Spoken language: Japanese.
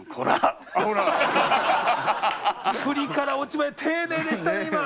振りから落ちまで丁寧でしたね